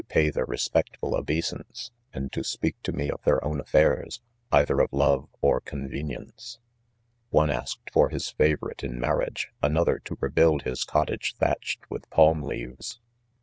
pay their respectful obeisance, and to speak to me of their own affairs, either of love or convenience. ' One asked for his favorite in marriage, another to rebuild his cottage thatch ed with palm leaves.